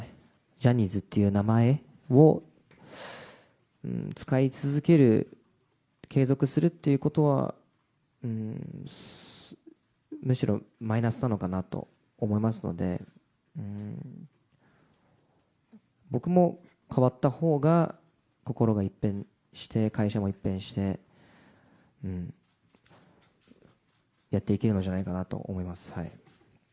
ジャニーズっていう名前を使い続ける、継続するっていうことは、むしろマイナスなのかなと思いますので、僕も変わったほうが、心が一変して、会社も一変して、やっていけるんじゃないかなと思います。